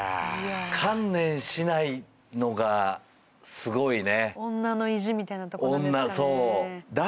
観念しないのがすごいね。